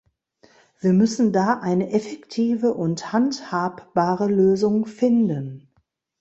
Wir müssen da eine effektive und handhabbare Lösung finden.